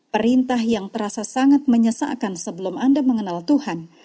perintah yang terasa sangat menyesakan sebelum anda mengenal tuhan